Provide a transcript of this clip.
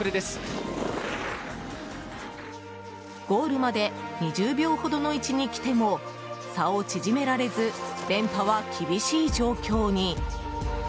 ゴールまで２０秒ほどの位置にきても差を縮められず連覇は厳しい状況に。